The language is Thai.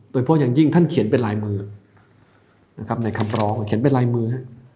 โดยเพราะอย่างยิ่งท่านเขียนเป็นลายมือนะครับในคำร้องเขียนเป็นลายมือ